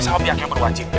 sahabat yang berwajib